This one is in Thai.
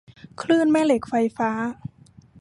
คลื่นแม่เหล็กไฟฟ้า